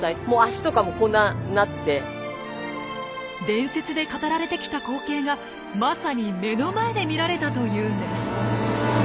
伝説で語られてきた光景がまさに目の前で見られたというんです。